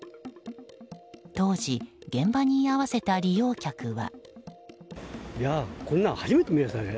当時、現場に居合わせた利用客は。